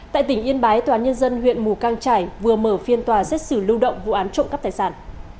tại tỉnh yên bái tòa nhân dân huyện mù căng trải vừa mở phiên tòa xét xử lưu động vụ án trộm cắp tài sản